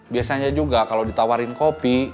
biasanya juga kalau ditawarin kopi